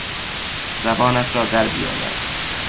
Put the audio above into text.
زبانت را در بیاور.